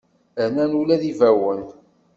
Rnan ula d ibawen.